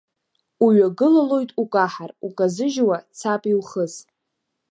Уҩагылалоит укаҳар, указыжьуа цап иухыс.